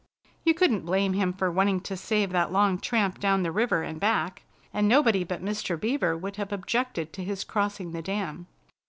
You couldn't blame him for wanting to save that long tramp down the river and back, and nobody but Mr. Beaver would have objected to his crossing the dam.